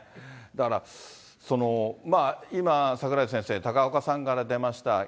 だから、今、櫻井先生、高岡さんから出ました